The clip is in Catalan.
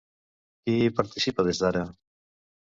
Qui hi participa des d'ara?